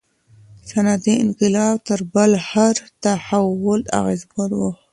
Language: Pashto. صنعتي انقلاب تر بل هر تحول اغیزمن و.